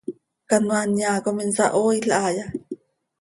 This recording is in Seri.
¿Canoaa nyaa com insahooil haaya?